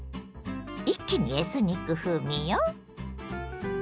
一気にエスニック風味よ！